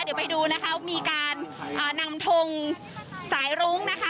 เดี๋ยวไปดูนะคะมีการนำทงสายรุ้งนะคะ